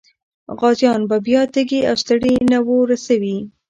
غازيان به بیا تږي او ستړي نه وي سوي.